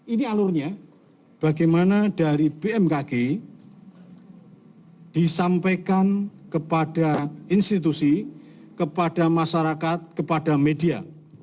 ini alurnya bagaimana dari bmkg disampaikan kepada institusi kepada masyarakat kepada media